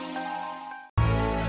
ya eh eh